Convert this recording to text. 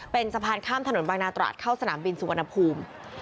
เป็นสะพานข้ามถนนบางนาตราดเข้าสนามบินสุวรรณภูมิ